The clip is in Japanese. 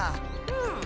うん。